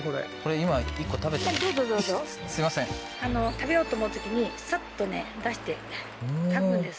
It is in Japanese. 食べようと思うときにサッとね出して食べるんです